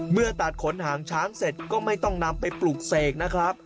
เมื่อตัดขนหางช้างเสร็จก็ไม่ต้องนำไปปลูกเสกนะครับ